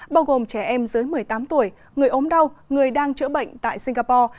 bao gồm trẻ em dưới một mươi tám tuổi người ốm đau người đang chữa bệnh tại singapore